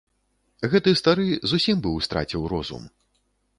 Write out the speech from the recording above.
Гэты стары зусім быў страціў розум.